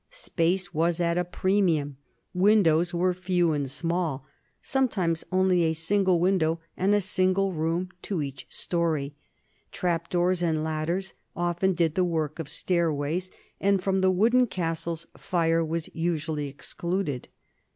Space was at a premium, windows were few and small, sometimes only a single window and a single room to each story, trap doors and ladders often did the work of stairways, and from the wooden castles fires were usually excluded.